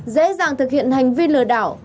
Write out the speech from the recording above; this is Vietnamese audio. dễ dàng thực hiện hành vi lừa đảo